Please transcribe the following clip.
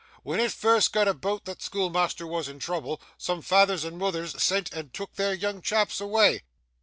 When it first got aboot that schoolmeasther was in trouble, some feythers and moothers sent and took their young chaps awa'.